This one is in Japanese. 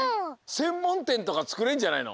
せんもんてんとかつくれるんじゃないの？